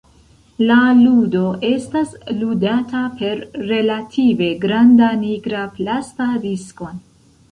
La ludo estas ludata per relative granda nigra plasta diskon.